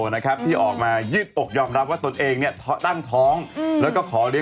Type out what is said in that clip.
นี่แรงว่ารถเบครถเบกอันนี้